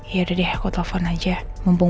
tapi kalau aku nelfon bu rosa